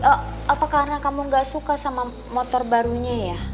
apa karena kamu gak suka sama motor barunya ya